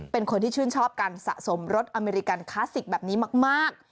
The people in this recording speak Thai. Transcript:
เป็นคนที่ชื่นชอบการสะสมรสอเมริกันคลาสสิกแบบนี้มาก